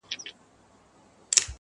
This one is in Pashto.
چې دده شاعري به تر پیړیو ژوندۍ ساتې